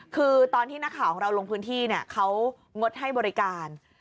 คือตอนที่นักข่าวของเราลงพื้นที่เขางดให้บริการ